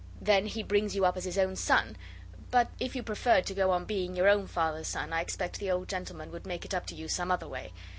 Then he brings you up as his own son: but if you preferred to go on being your own father's son I expect the old gentleman would make it up to you some other way.